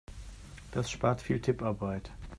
Das spart viel Tipparbeit.